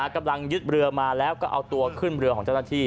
กำลังยึดเรือมาแล้วก็เอาตัวขึ้นเรือของเจ้าหน้าที่